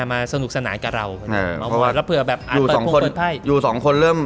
มาสนุกสนานกับเราเพื่อแบบอ่าอยู่สองคนอยู่สองคนเริ่ม